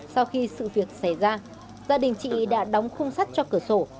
sau khi sự việc xảy ra gia đình chị đã đóng khung sắt cho cửa sổ